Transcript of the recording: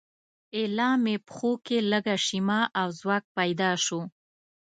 ایله مې پښو کې لږه شیمه او ځواک پیدا شو.